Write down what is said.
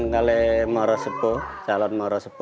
saya sudah berusaha untuk mencari jalan ke morosebo